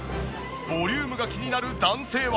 ボリュームが気になる男性は。